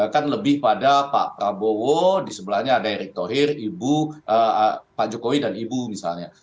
kan lebih pada pak prabowo di sebelahnya ada erick thohir ibu pak jokowi dan ibu misalnya